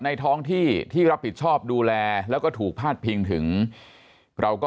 ท้องที่ที่รับผิดชอบดูแลแล้วก็ถูกพาดพิงถึงเราก็